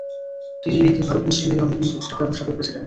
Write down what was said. তিনি নিখিল ভারত মুসলিম লীগের অন্যতম প্রতিষ্ঠাতা এবং সাবেক প্রেসিডেন্ট।